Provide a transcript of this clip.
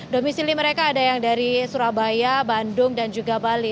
domisili mereka ada yang dari surabaya bandung dan juga bali